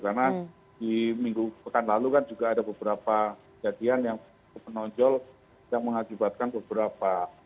karena di minggu pekan lalu kan juga ada beberapa kejadian yang menonjol yang mengakibatkan beberapa